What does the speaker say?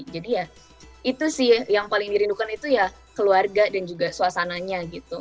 jadi ya itu sih yang paling dirindukan itu ya keluarga dan juga suasananya gitu